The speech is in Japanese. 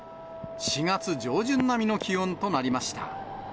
４月上旬並みの気温となりました。